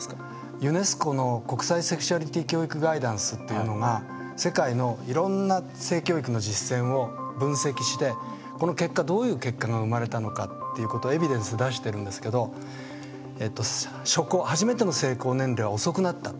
ユネスコの「国際セクシュアリティ教育ガイダンス」っていうのが世界のいろんな性教育の実践を分析してこの結果どういう結果が生まれたのかっていうことをエビデンス出してるんですけど初めての性交年齢は遅くなった。